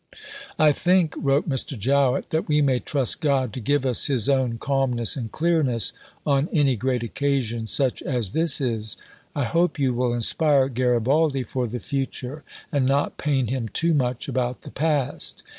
"I think," wrote Mr. Jowett, "that we may trust God to give us his own calmness and clearness on any great occasion such as this is. I hope you will inspire Garibaldi for the future and not pain him too much about the past.